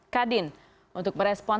kadin untuk merespon